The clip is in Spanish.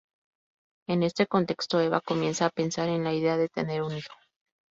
En este contexto Eva comienza a pensar en la idea de tener un hijo.